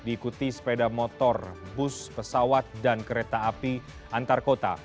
diikuti sepeda motor bus pesawat dan kereta api antar kota